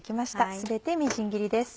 全てみじん切りです。